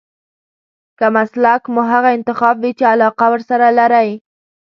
که مسلک مو هغه انتخاب وي چې علاقه ورسره لرئ.